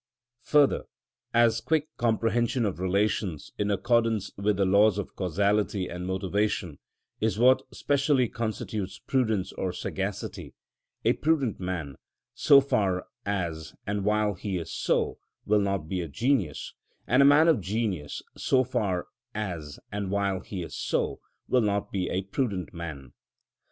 _" Further, as quick comprehension of relations in accordance with the laws of causality and motivation is what specially constitutes prudence or sagacity, a prudent man, so far as and while he is so, will not be a genius, and a man of genius, so far as and while he is so, will not be a prudent man.